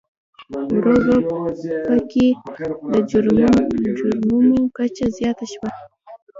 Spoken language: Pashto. ورو ورو په کې د جرمومو کچه زیاته شوه.